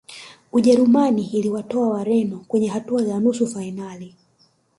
ujerumani iliwatoa wareno kwenye hatua ya nusu fainali